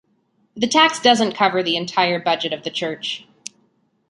The tax doesn't cover the entire budget of the church.